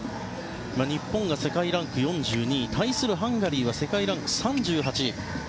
日本が世界ランク４２位。対するハンガリーは世界ランク３８位。